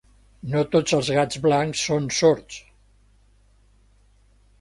No tots els gats blancs són sords.